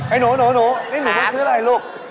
หนูนี่หนูซื้ออะไรลูก